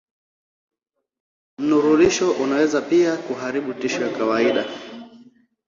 Mnururisho unaweza pia kuharibu tishu ya kawaida.